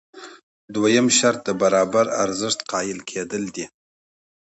دویم شرط د برابر ارزښت قایل کېدل دي.